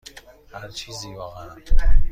هر چیزی، واقعا.